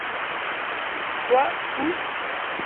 Quoi ? Où ?